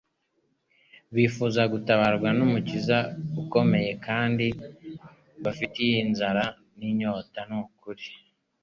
bifuza gutabarwa n'Umukiza ukomeye kandi bafitiye inzara n'inyota n ukuri